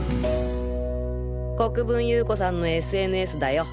国分優子さんのＳＮＳだよ。